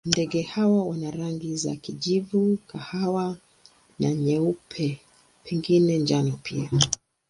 Ndege hawa wana rangi za kijivu, kahawa na nyeupe, pengine njano pia.